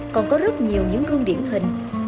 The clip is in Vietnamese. còn có rất nhiều những gương điển hình